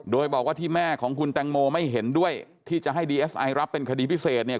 โดยบอกว่าที่แม่ของคุณแตงโมไม่เห็นด้วยที่จะให้ดีเอสไอรับเป็นคดีพิเศษเนี่ย